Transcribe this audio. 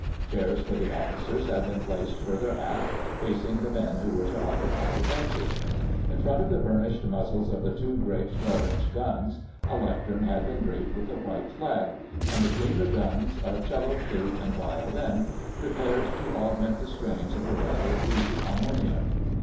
Chairs for the Officers had been placed further aft, facing the men who were to occupy the benches. In front of the burnished muzzles of the two great 12 inch guns a lectern had been draped with a white flag, and between the guns a 'cello, flute, and violin prepared to augment the strains of a rather wheezy harmonium.